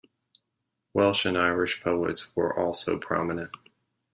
Welsh and Irish poets were also prominent.